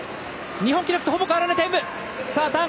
日本記録とほぼ変わらないタイム！